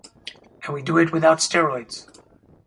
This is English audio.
And we do it without steroids!